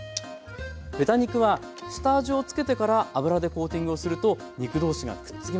豚肉は下地をつけてから油でコーティングをすると肉同士がくっつきません。